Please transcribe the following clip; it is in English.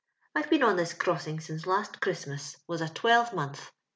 "I've been on this crossing since last Christmas was s twelvemonth.